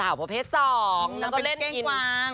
แล้วก็เล่นอินเป็นเก้งกวาง